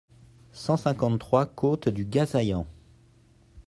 cent cinquante-trois côte du Gasaillant